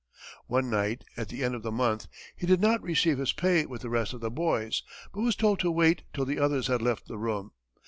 One night, at the end of the month, he did not receive his pay with the rest of the boys, but was told to wait till the others had left the room.